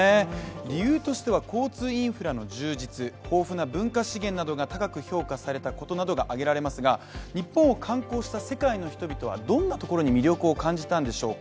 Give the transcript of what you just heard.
理由としては交通インフラの充実などが高く評価されたことなどが挙げられますが、日本を観光した世界の人々はどんなところに魅力を感じたのでしょうか。